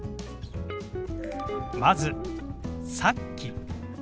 まず「さっき」。